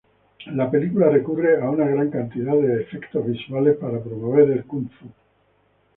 La película recurre a una gran cantidad de efectos visuales para promover el kung-fu.